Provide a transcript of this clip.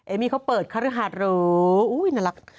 เอมมี่เขาเปิดคารุหารุอุ้ยน่ารัก